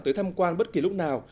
tới tham quan bất kỳ lúc nào